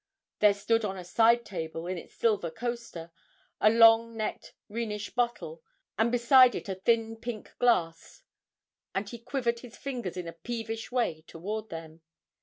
There stood on a side table, in its silver coaster, a long necked Rhenish bottle, and beside it a thin pink glass, and he quivered his fingers in a peevish way toward them.